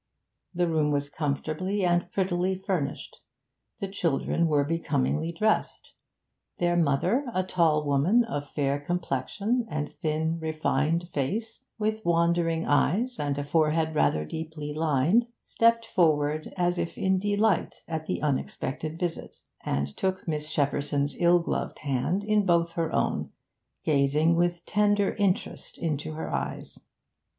The room was comfortably and prettily furnished; the children were very becomingly dressed; their mother, a tall woman, of fair complexion and thin, refined face, with wandering eyes and a forehead rather deeply lined, stepped forward as if in delight at the unexpected visit, and took Miss Shepperson's ill gloved hand in both her own, gazing with tender interest into her eyes.